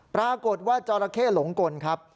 ปรากฏว่าจราเข้หลงกลครับ